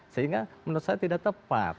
sehingga menurut saya tidak tepat